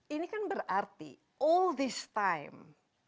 ini kan berarti all this time